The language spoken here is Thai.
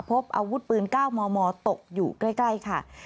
พบอาวุธปืน๙มมตกอยู่ใกล้ค่ะ